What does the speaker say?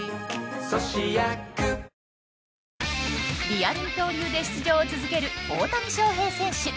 リアル二刀流で出場を続ける大谷翔平選手。